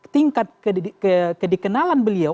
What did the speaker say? tingkat kedikenalan beliau